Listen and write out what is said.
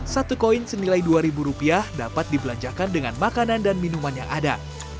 satu koin senilai dua ribu rupiah dapat dibelanjakan dengan makanan dan minuman yang ada